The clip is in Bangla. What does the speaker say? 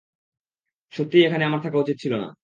সত্যিই এখানে আমার থাকা উচিত ছিল না।